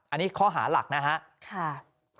อันนี้ข้อหาหลักนะฮะค่ะค่ะ